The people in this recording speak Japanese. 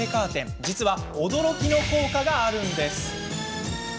実は驚きの効果があるんです。